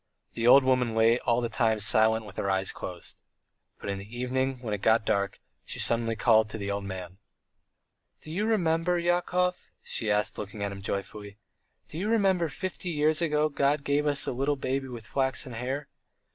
The old woman lay all the time silent with her eyes closed. But in the evening, when it got dark, she suddenly called the old man. "Do you remember, Yakov," she asked, looking at him joyfully. "Do you remember fifty years ago God gave us a little baby with flaxen hair?